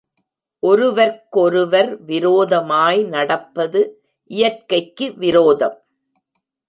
ஒருவர்க் கொருவர் விரோதமாய் நடப்பது இயற்கைக்கு விரோதம்.